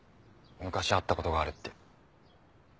昔会った事があるって。